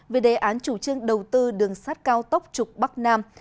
về đề án chủ trương đầu tư đường sắt cao tốc trục bắc nam